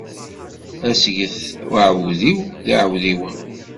Asget uεudiw d iεudiwen.